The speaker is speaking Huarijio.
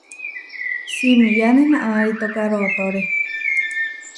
Simiyáne naʼnarítoka rootóre.